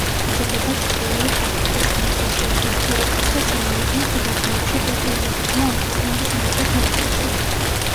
იზრდება ჩრდილოეთ აფრიკის, ხმელთაშუაზღვისპირეთის და წინა აზიის უდაბნოებში კულტივირებულია ამ ქვეყნების უმეტეს ნაწილში.